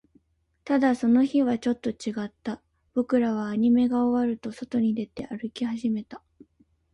ただ、その日はちょっと違った。僕らはアニメが終わると、外に出て、歩き始めた。